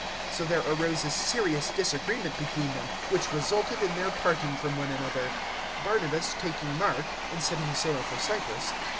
015:039 So there arose a serious disagreement between them, which resulted in their parting from one another, Barnabas taking Mark and setting sail for Cyprus.